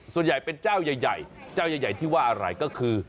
ส่วนใหญ่เป็นเจ้าใหญ่เจ้าใหญ่ที่ว่าอะไรก็คือ